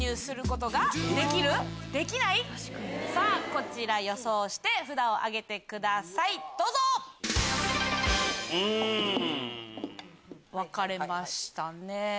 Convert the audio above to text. こちら予想して札を挙げてくださいどうぞ！分かれましたね。